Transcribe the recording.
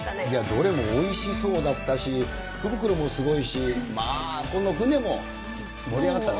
どれもおいしそうだったし、福袋もすごいし、まあこの船も、盛り上がったね。